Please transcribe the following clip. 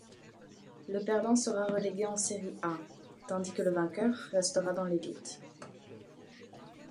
Le perdant sera relégué en Série A, tandis que le vainqueur restera dans l'élite.